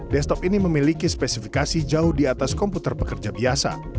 desktop ini memiliki spesifikasi jauh di atas komputer pekerja biasa